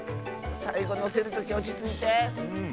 さいごのせるときおちついて。